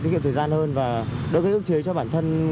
tiết kiệm thời gian hơn và đối với ước chế cho bản thân